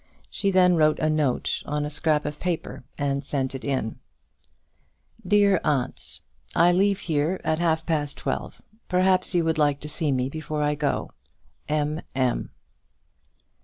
She then wrote a note on a scrap of paper, and sent it in: DEAR AUNT, I leave here at half past twelve. Perhaps you would like to see me before I go. M. M.